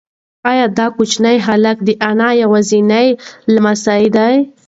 ایا دا کوچنی هلک د انا یوازینی لمسی دی؟